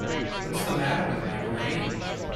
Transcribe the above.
What's the matter with my brain?